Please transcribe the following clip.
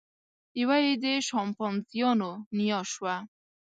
یوه یې د شامپانزیانو نیا شوه.